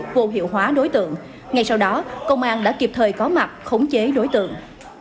vô hiệu hóa đối tượng ngay sau đó công an đã kịp thời có mặt khống chế đối tượng